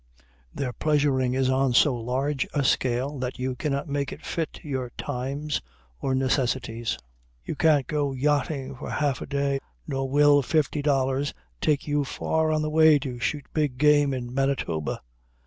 Their pleasuring is on so large a scale that you cannot make it fit your times or necessities. You can't go yachting for half a day, nor will fifty dollars take you far on the way to shoot big game in Manitoba.